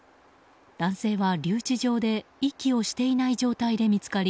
男性は留置場で息をしていない状態で見つかり